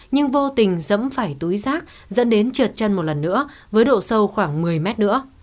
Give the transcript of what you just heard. nhưng vô tình dẫm phải túi rác dẫn đến trượt chân một lần nữa với độ sâu khoảng một mươi mét nữa